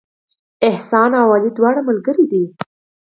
احسان او علي دواړه ملګري دي